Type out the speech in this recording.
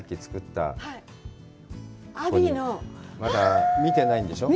まだ見てないんでしょう？